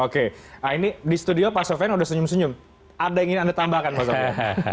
oke nah ini di studio pak sofyan udah senyum senyum ada yang ingin anda tambahkan pak sofyan